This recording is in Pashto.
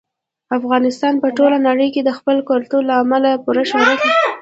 افغانستان په ټوله نړۍ کې د خپل کلتور له امله پوره شهرت لري.